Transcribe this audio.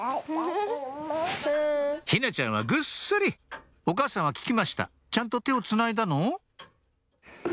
陽菜ちゃんはぐっすりお母さんは聞きました「ちゃんと手をつないだの？」